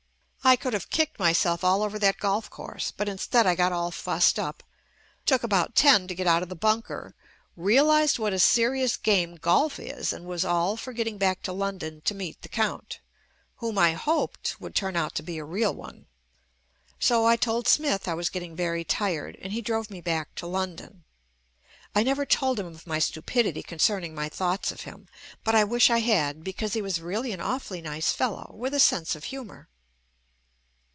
I could have kicked myself all over that golf course, but instead I got all fussed up, took about ten to get out of the bunker, realized what a serious game golf is and was all for get ting back to London to meet the Count, whom I hoped, would turn out to be a real one. So I told Smith I was getting very tired, and he drove me back to London. I never told him of my stupidity concerning my thoughts of him, but I wish I had because he was really an awfully nice fellow with a sense of humour.